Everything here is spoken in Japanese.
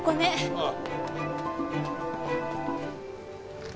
ああ。